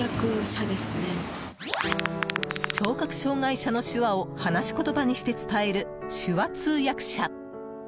聴覚障害者の手話を話し言葉にして伝える手話通訳者。